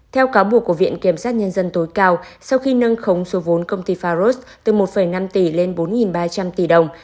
theo cáo buộc của viện kiểm sát nhân dân tối cao sau khi nâng khống số vốn công ty faros từ một năm tỷ lên bốn ba trăm linh tỷ đồng